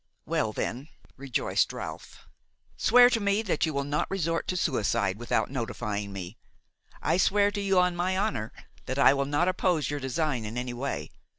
"Well then," rejoiced Ralph, "swear to me that you will not resort to suicide without notifying me. I swear to you on my honor that I will not oppose your design in any way.